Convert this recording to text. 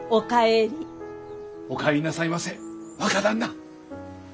お帰りなさいませ若旦那。